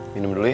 minum dulu ya